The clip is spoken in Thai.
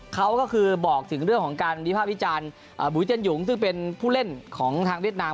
เขาก็คือบอกถึงเรื่องของการวิภาควิจารณ์บุ๋ยเจียหยุงซึ่งเป็นผู้เล่นของทางเวียดนาม